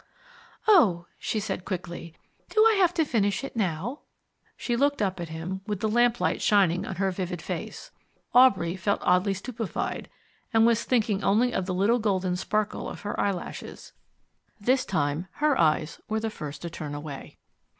"Oh," she said quickly. "Do I have to finish it now?" She looked up at him, with the lamplight shining on her vivid face. Aubrey felt oddly stupefied, and was thinking only of the little golden sparkle of her eyelashes. This time her eyes were the first to turn away.